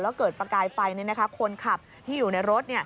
แล้วเกิดประกายไฟคนขับที่อยู่ในรถ